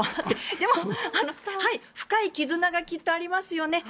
でも、深い絆がきっとありますよね。